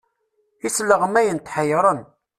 Isleɣmayen tḥeyyren.